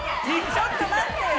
ちょっと待ってよ！